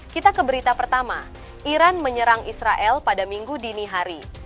kita ke berita pertama iran menyerang israel pada minggu dini hari